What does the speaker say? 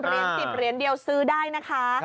เหรียญ๑๐เหรียญเดียวซื้อได้นะคะ